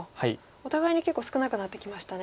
お互いに結構少なくなってきましたね。